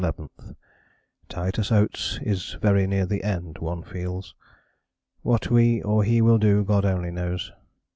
_ Titus Oates is very near the end, one feels. What we or he will do, God only knows.